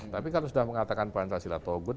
tapi kalau sudah mengatakan pancasila togut